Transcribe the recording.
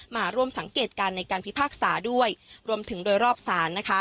มาร่วมสังเกตการณ์ในการพิพากษาด้วยรวมถึงโดยรอบศาลนะคะ